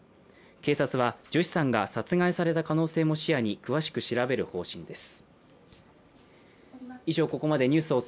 警察はジョシさんが殺害された可能性も視野に詳しく調べる方針です。